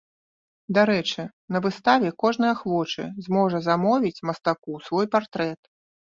Дарэчы, на выставе кожны ахвочы зможа замовіць мастаку свой партрэт.